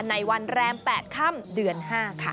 ในวันแรม๘ค่ำเดือน๕ค่ะ